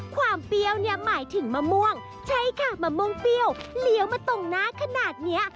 เปรี้ยวเนี่ยหมายถึงมะม่วงใช่ค่ะมะม่วงเปรี้ยวเลี้ยวมาตรงหน้าขนาดเนี้ย